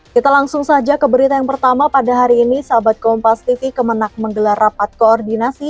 kita langsung saja ke berita yang pertama pada hari ini sahabat kompas tv kemenang menggelar rapat koordinasi